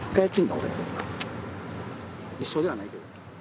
一緒ではないけど。